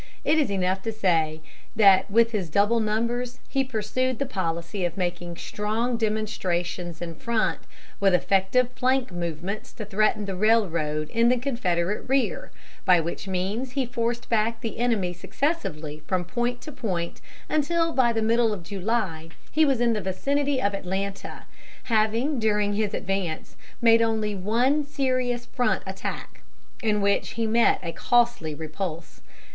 It is enough to say that with his double numbers he pursued the policy of making strong demonstrations in front, with effective flank movements to threaten the railroad in the Confederate rear, by which means he forced back the enemy successively from point to point, until by the middle of July he was in the vicinity of Atlanta, having during his advance made only one serious front attack, in which he met a costly repulse.